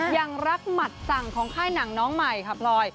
อย่างรักหมัดสั่งของค่ายหนังน้องใหม่ค่ะพลอย